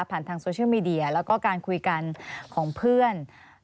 ทางโซเชียลมีเดียแล้วก็การคุยกันของเพื่อน